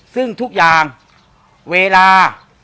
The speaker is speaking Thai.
ซึ่งทุกอย่างเวลา